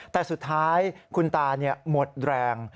แต่สุดท้ายคุณตาหมดแรง